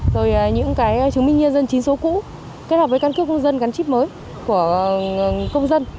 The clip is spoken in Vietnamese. rồi những cái chứng minh nhân dân chính số cũ kết hợp với căn cước công dân gắn chip mới của công dân